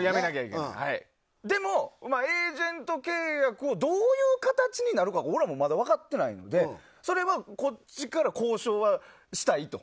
でもエージェント契約がどういう形になるか僕らもまだ分かっていないのでそれはこっちから交渉はしたいと。